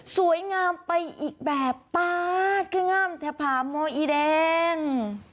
สวยงามไปอีกแบบปาดคืองามแถบผ่าโมอีแดง